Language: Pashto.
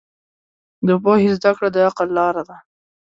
د پوهې زده کړه د عقل لاره ده.